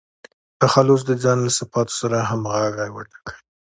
تخلص د ځان له صفاتو سره همږغى وټاکئ!